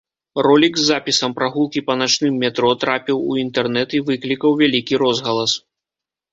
Ролік з запісам прагулкі па начным метро трапіў у інтэрнэт і выклікаў вялікі розгалас.